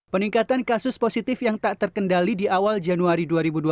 peningkatan kasus positif yang tak terkendali di awal januari dua ribu dua puluh